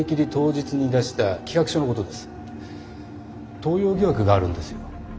盗用疑惑があるんですよ。